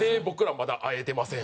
まだ会えてません。